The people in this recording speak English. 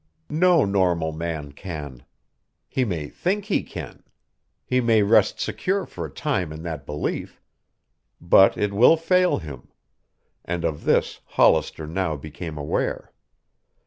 No normal man can. He may think he can. He may rest secure for a time in that belief, but it will fail him. And of this Hollister now became aware.